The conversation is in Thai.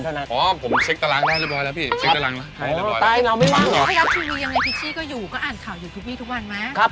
เอาละครับวันนี่ก็เวลาไม่เงียบวันนี้ชะลองกันให้เต็มทีกันนะครับ